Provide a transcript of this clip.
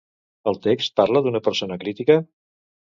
El text parla d'una persona crítica?